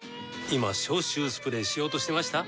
今消臭スプレーしようとしてました？